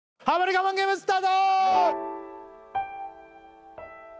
我慢ゲームスタート！